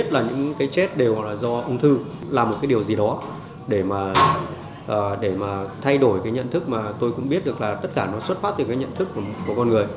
làm một cái điều gì đó để mà thay đổi cái nhận thức mà tôi cũng biết được là tất cả nó xuất phát từ cái nhận thức của con người